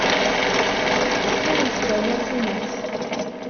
Ad awent-d-awiɣ tumert.